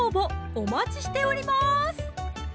お待ちしております